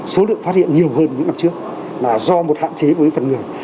số lượng phát hiện nhiều hơn những năm trước là do một hạn chế với phần người